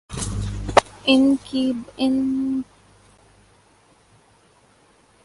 ان کی بقول سمارا میں آنی والازلزلہ دراصل اس طویل عمل کی ایک یاد دہانی تھا